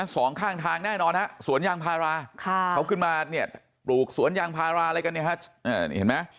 สองข้างทางแน่นอนสวนยางพาราเขาขึ้นมาปลูกสวนยางพาราอะไรกันนะ